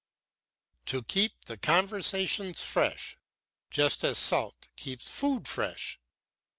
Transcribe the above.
"To keep the conversations fresh, just as salt keeps food fresh.